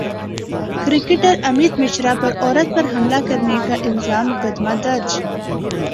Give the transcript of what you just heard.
cricketer Amit Mishra پر عورت پر حملہ کرنے کا الزام مقدمہ درج